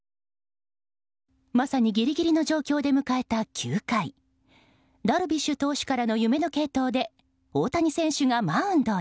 まさにギリギリの状況で迎えた９回ダルビッシュ投手からの夢の継投で大谷選手がマウンドへ。